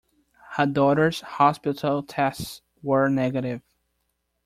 Her daughter's hospital tests were negative.